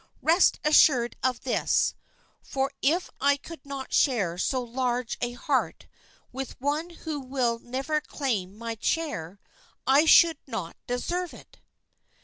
Rest assured of this, for if I could not share so large a heart with one who will never claim my share I should not deserve it."